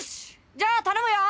じゃあ頼むよ！